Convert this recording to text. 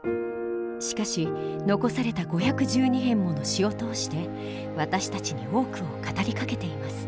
しかし残された５１２編もの詩を通して私たちに多くを語りかけています。